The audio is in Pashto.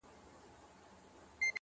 هغې پرون زما د قتل دسيسه جوړه کړه-